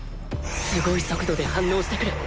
凄い速度で反応してくる。